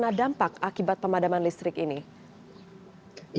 apakah ada dampak akibat pemadaman listrik ini